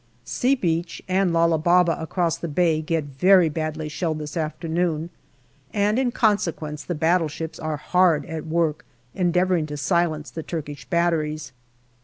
" C " Beach and Lala Baba across the bay get very badly shelled this afternoon, and in consequence the battleships are hard at work endeavouring to silence the Turkish batteries.